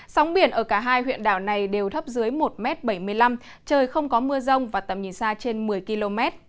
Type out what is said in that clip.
sóng biển ở cả hai huyện đảo này đều thấp dưới một m bảy mươi năm trời không có mưa rông và tầm nhìn xa trên một mươi km